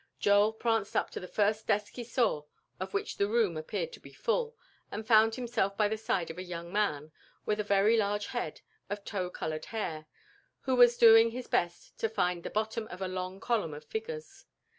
Joel pranced up to the first desk he saw, of which the room appeared to be full, and found himself by the side of a young man, with a very large head of tow colored hair, who was doing his best to find the bottom of a long column of figures.